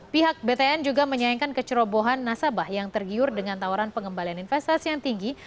pihak btn juga menyayangkan kecerobohan nasabah yang tergiur dengan tawaran pengembalian investasi yang tinggi